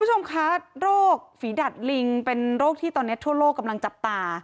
คุณผู้ชมคะโรคฝีดัดลิงเป็นโรคที่ตอนนี้ทั่วโลกกำลังจับตา